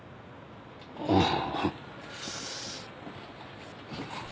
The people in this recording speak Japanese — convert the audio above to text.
ああ。